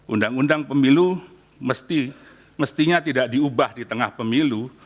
undang undang pemilu mestinya tidak diubah di tengah pemilu